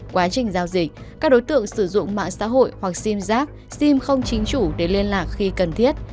quá trình giao dịch các đối tượng sử dụng mạng xã hội hoặc sim giác sim không chính chủ để liên lạc khi cần thiết